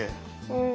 うん。